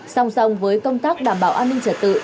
song song với công tác đảm bảo an ninh trật tự